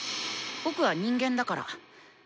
「僕は人間だから」。